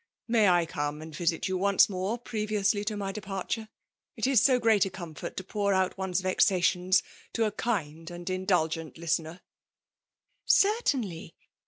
Maj I come and Tisit you onoe more, previonsly to my departure? It is so great a comfort to pour out one*s vexations to a kind and indulgent listener 1" ''Certainly — certainly.